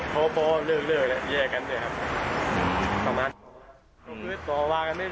เพราะพ่อเลือกแล้วแยกกันด้วยครับ